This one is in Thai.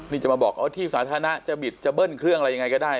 นี่จะมาบอกที่สาธารณะจะบิดจะเบิ้ลเครื่องอะไรยังไงก็ได้